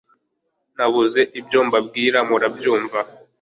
Nabuze ibyo mba bwira murabyumva